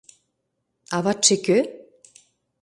Аватше кӧ?